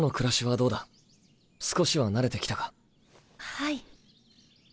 はい。